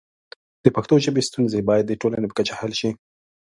د پښتو ژبې ستونزې باید د ټولنې په کچه حل شي.